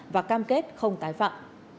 và cam kết không tái phạm